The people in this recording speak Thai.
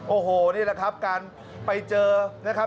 โอ้โหนี่แหละครับการไปเจอนะครับ